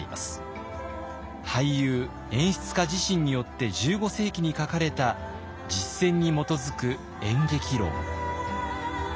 俳優演出家自身によって１５世紀に書かれた実践に基づく演劇論。